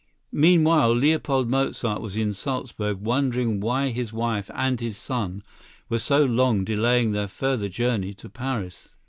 Meanwhile Leopold Mozart was in Salzburg wondering why his wife and son were so long delaying their further journey to Paris.